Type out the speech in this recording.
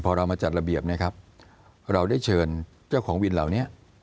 พอเรามาจัดระเบียบเนี่ยครับเราได้เชิญเจ้าของวินเหล่านี้